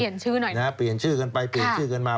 ชื่อหน่อยนะฮะเปลี่ยนชื่อกันไปเปลี่ยนชื่อกันมา